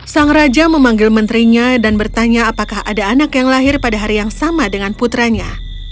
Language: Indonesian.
sang raja memanggil menterinya dan bertanya apakah ada anak yang lahir pada hari yang sama dengan putranya